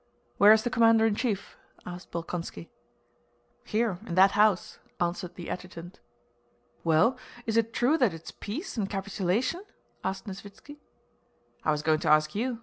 "Where is the commander in chief?" asked Bolkónski. "Here, in that house," answered the adjutant. "Well, is it true that it's peace and capitulation?" asked Nesvítski. "I was going to ask you.